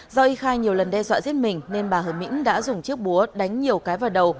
do y khai nhiều lần đe dọa giết mình nên bà hờ mỹ đã dùng chiếc búa đánh nhiều cái vào đầu